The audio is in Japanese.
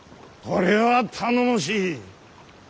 これは頼もしい。